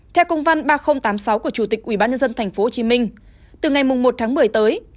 theo công văn ba nghìn tám mươi sáu của chủ tịch ubnd tp hcm từ ngày một tháng một mươi tới